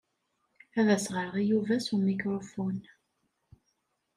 Ad as-ɣreɣ i Yuba s umikṛufun.